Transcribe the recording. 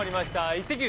『イッテＱ！』